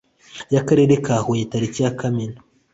y'akarere ka huye tariki ya kamena